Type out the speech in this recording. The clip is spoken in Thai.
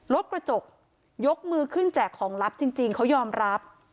รถกระจกยกมือขึ้นแจกของลับจริงเขายอมรับ